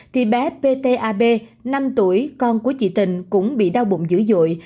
thì bé ptab năm tuổi con của chị tình cũng bị đau bụng dữ dội